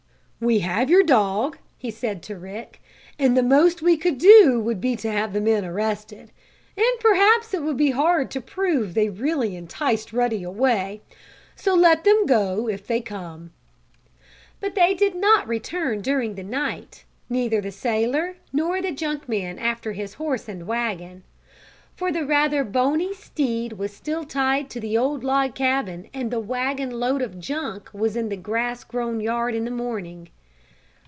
"We have your dog," he said to Rick, "and the most we could do would be to have the men arrested. And perhaps it would be hard to prove that they really enticed Ruddy away. So let them go, if they come." But they did not return during the night, neither the sailor, nor the junk man after his horse and wagon. For the rather bony steed was still tied to the old log cabin and the wagon load of junk was in the grass grown yard in the morning.